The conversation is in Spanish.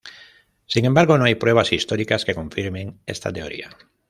Sin embargo, no hay pruebas históricas que confirmen esta teoría.